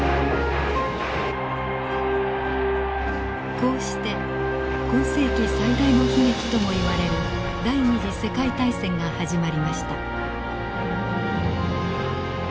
こうして今世紀最大の悲劇ともいわれる第二次世界大戦が始まりました。